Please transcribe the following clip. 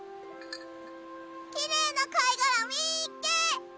きれいなかいがらみっけ！